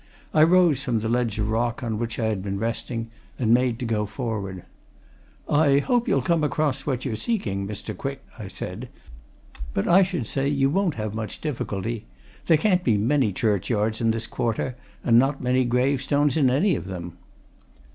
I rose from the ledge of rock on which I had been resting, and made to go forward. "I hope you'll come across what you're seeking, Mr. Quick," I said. "But I should say you won't have much difficulty. There can't be many churchyards in this quarter, and not many gravestones in any of them."